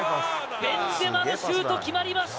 ベンゼマのシュート、決まりました！